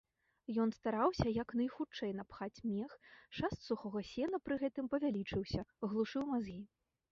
Ён стараўся як найхутчэй напхаць мех, шаст сухога сена пры гэтым павялічыўся, глушыў мазгі.